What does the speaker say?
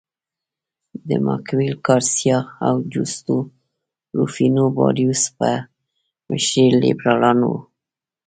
د مګویل ګارسیا او جوستو روفینو باریوس په مشرۍ لیبرالان وو.